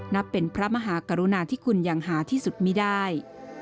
นับเป็นพระมหากรุณาที่คุณอย่างหาที่สุดไม่ได้